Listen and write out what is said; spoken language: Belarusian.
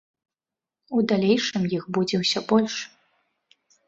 У далейшым іх будзе ўсё больш.